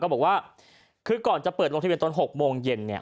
ก็บอกว่าก่อนจะเปิดลงทะเวียนตอน๖โมงเย็น